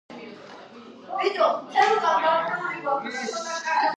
მდებარეობს სოფლის აღმოსავლეთით, ივრის პლატოს ჩრდილოეთ განაპირას.